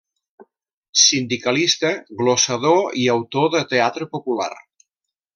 Sindicalista, glosador i autor de teatre popular.